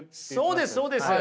そうですそうです。